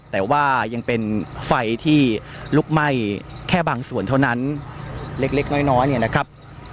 แต่ว่ายังเป็นไฟที่ลุกไหม้แค่บางส่วนเท่านั้นเล็กน้อยเนี่ยนะครับ